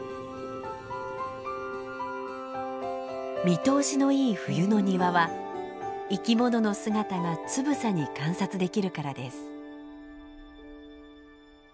見通しのいい冬の庭は生き物の姿がつぶさに観察できるからです。